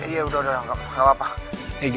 ya udah udah gak apa apa